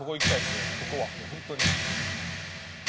ここは本当に。